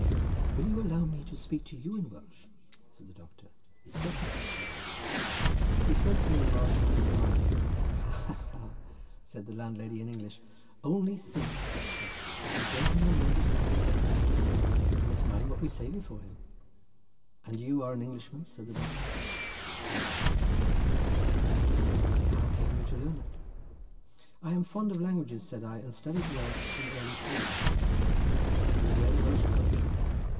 "Will you allow me to speak to you in Welsh?" said the doctor. "Certainly," said I. He spoke to me in Welsh and I replied. "Ha, ha," said the landlady in English; "only think, doctor, of the gentleman understanding Welsh—we must mind what we say before him." "And are you an Englishman?" said the doctor. "I am," I replied. "And how came you to learn it?" "I am fond of languages," said I, "and studied Welsh at an early period." "And you read Welsh poetry?"